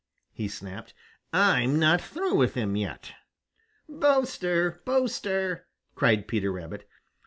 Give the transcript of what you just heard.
he snapped. "I'm not through with him yet." "Boaster! Boaster!" cried Peter Rabbit.